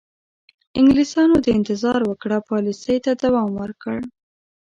انګلیسیانو د انتظار وکړه پالیسۍ ته دوام ورکړ.